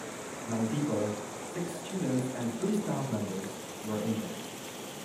Nine people - six students and three staff members - were injured.